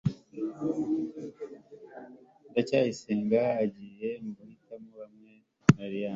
ndacyayisenga agiye mu gitaramo hamwe na alice